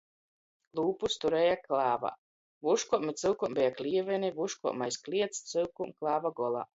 Lūpus turēja klāvā, vuškom i cyukom beja klieveni. Vuškom aiz kliets, cyukom klāva golā.